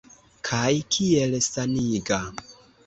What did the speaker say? Kaj kiel saniga!